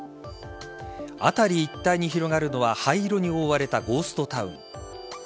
辺り一帯に広がるのは灰色に覆われたゴーストタウン。